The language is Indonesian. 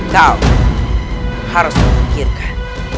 kau harus memikirkan